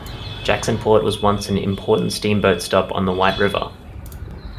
Jacksonport was once an important steamboat stop on the White River.